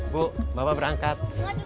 bu bapak berangkat